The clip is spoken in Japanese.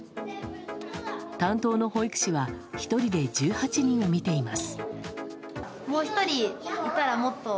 担当の保育士は１人で１８人を見ています。